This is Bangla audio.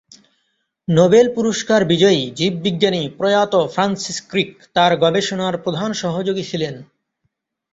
নোবেল পুরস্কার বিজয়ী জীববিজ্ঞানী প্রয়াত ফ্রান্সিস ক্রিক তার গবেষণার প্রধান সহযোগী ছিলেন।